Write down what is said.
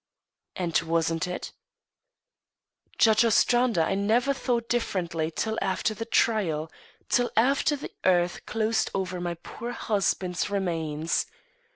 "And wasn't it?" "Judge Ostrander, I never thought differently till after the trial till after the earth closed over my poor husband's remains.